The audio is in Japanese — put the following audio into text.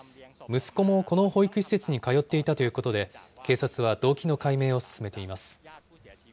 息子もこの保育施設に通っていたということで、警察は動機の解明を進めています。